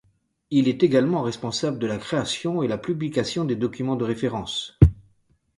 Il est également responsable de la création et la publication des documents de références.